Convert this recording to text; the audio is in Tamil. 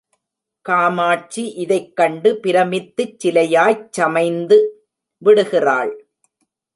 காமாட்சி இதைக் கண்டு பிரமித்துச் சிலையாய்ச் சமைந்து விடுகிறாள்.